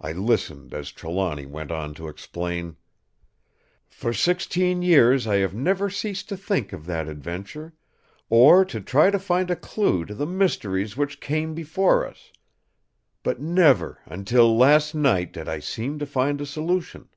I listened as Trelawny went on to explain: "'For sixteen years I have never ceased to think of that adventure, or to try to find a clue to the mysteries which came before us; but never until last night did I seem to find a solution.